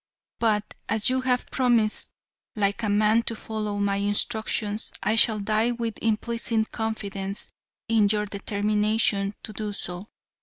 But as you have promised like a man to follow my instructions, I shall die with implicit confidence in your determination to do so.